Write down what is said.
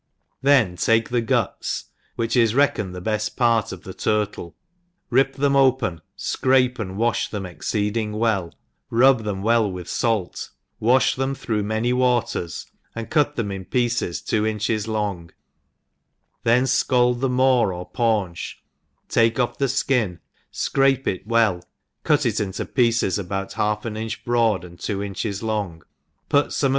Then take the guts (which is reckoned the befl part of the turtle) rip them open, fcrape and wafh them exceeding well, rub them well with fait, wafh them through many waters, and cut them in pieces two inches long, then fcald the maw or paunch, take off the fkin, fcrape it well, cut it into pieces about half an inch broad and two inches long, put fome^f e the